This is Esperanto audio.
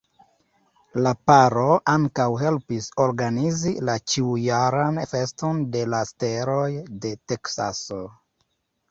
La paro ankaŭ helpis organizi la ĉiujaran Feston de la Steloj de Teksaso.